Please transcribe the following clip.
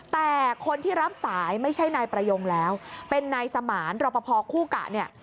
แต่คนที่รับสายไม่ใช่นายประยงแล้วเป็นนายสมานรอปภคู่กะเนี่ย